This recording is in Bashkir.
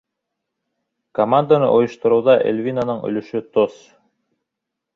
Команданы ойоштороуҙа Эльвинаның өлөшө тос.